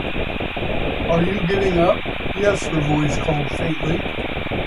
“Are you getting up?” “Yes,” her voice called faintly.